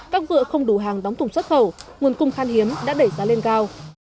các vựa không đủ hàng đóng thùng xuất khẩu nguồn cung khan hiếm đã đẩy giá lên cao